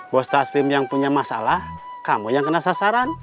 bos taslim yang punya masalah kamu yang kena sasaran